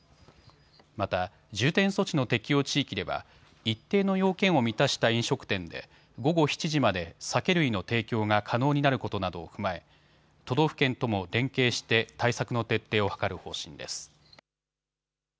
また重点措置の適用地域では一定の要件を満たした飲食店で午後７時まで酒類の提供が可能になることなどを踏まえ都道府県とも連携して対策の徹底を図る方針です。